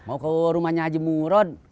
mau ke rumahnya aja muron